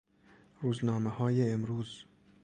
روزنامههای امروز